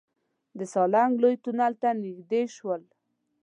د سالنګ لوی تونل ته نزدې شولو.